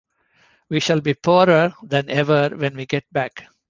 We shall be poorer than ever when we get back.